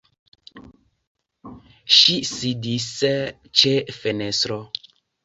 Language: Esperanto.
Ŝi sidis ĉe fenestro.